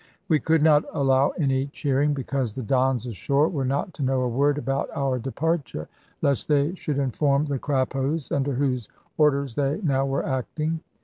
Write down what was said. We could not allow any cheering, because the Dons ashore were not to know a word about our departure, lest they should inform the Crappos, under whose orders they now were acting.